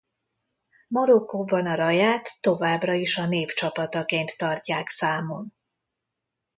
Marokkóban a Raja-t továbbra is a nép csapataként tartják számon.